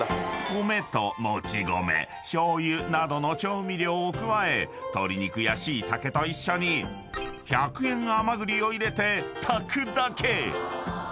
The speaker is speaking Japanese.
［米ともち米しょうゆなどの調味料を加え鶏肉やしいたけと一緒に１００円甘栗を入れて炊くだけ！］